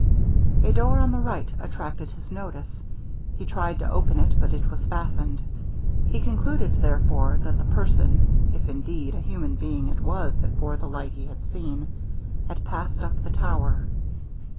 A door on the right attracted his notice; he tried to open it, but it was fastened. He concluded, therefore, that the person, if indeed a human being it was that bore the light he had seen, had passed up the tower.